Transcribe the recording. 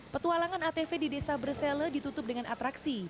petualangan atv di desa bersele ditutup dengan atraksi